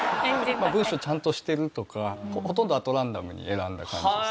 文章ちゃんとしてるとかほとんどアトランダムに選んだ感じです。